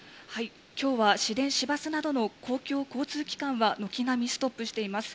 きょうは市電、市バスなどの公共交通機関は軒並みストップしています。